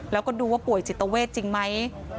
แล้วก็ดูว่าป่วยจิตเวทจริงไหม